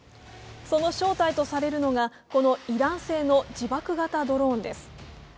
その正体とされるのがこのイラン製の自爆型ドローンです。